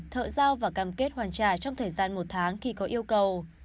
thợ giao và cam kết hoàn trả trong thời gian một tháng khi có yêu cầu